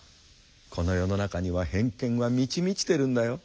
「この世の中には偏見は満ち満ちてるんだよ。